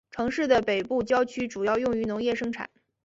城市的北部郊区主要用于农业生产。